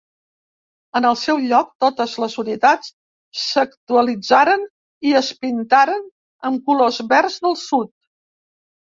En el seu lloc, totes les unitats s'actualitzaren i es pintaren amb colors verds del sud.